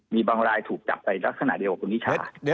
มีบางรายถูกจับไปลักษณะเดียวกับคุณนิชา